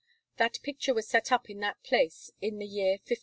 That picture was set up in that place in the year 1536.